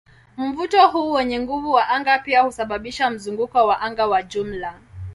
Mvuto huu wenye nguvu wa anga pia husababisha mzunguko wa anga wa jumla.